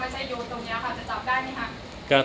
ซึ่งให้สมถาประธานาธิโชษตรงนี้